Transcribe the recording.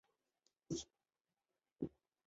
总部位于横滨市金泽区与相邻的车辆基地内。